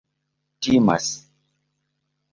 timas